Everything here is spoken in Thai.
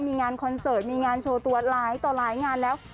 มีงานคอนเสิร์ตมีงานโชว์ตัวหลายต่อหลายงานแล้ว